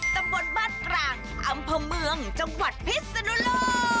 ตำบลบ้านกลางอำเภอเมืองจังหวัดพิศนุโลก